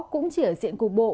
cũng chỉ ở diện cục bộ